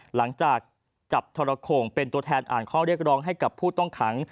หลังจากจับทรโข่งเป็นตัวแทนอ่านข้อเรียกร้องให้กับผู้ต้องขัง